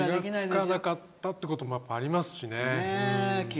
気がつかなかったってコトもありますしね。